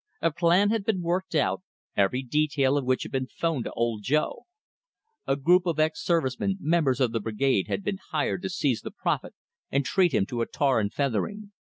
A plan had been worked out, every detail of which had been phoned to Old Joe. A group of ex service men, members of the Brigade, had been hired to seize the prophet and treat him to a tar and feathering.